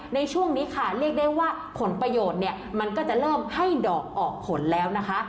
ในช่วงนี้ค่ะเรียกได้ว่าผลประโยชน์เนี่ยมันก็จะเริ่มให้ดอกออกผลแล้วนะคะ